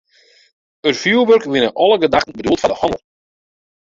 It fjoerwurk wie nei alle gedachten bedoeld foar de hannel.